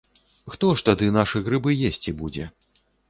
Хто ж тады нашы грыбы есці будзе?